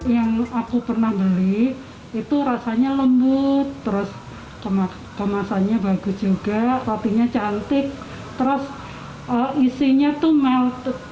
yang aku pernah beli itu rasanya lembut kemasannya bagus juga rotinya cantik isinya mel